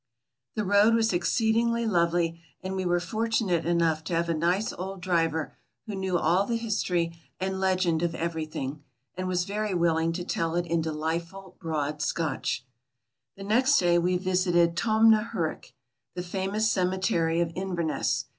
The road was exceedingly lovely and we were fortunate enough to have a nice old driver who knew all the history and legend of everything, and was very willing to tell it in delightful broad Scotch. The next day we visited Tomnahurich, the famous cemetery of Inverness.